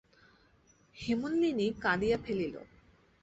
হেমনলিনী কাঁদিয়া ফেলিল।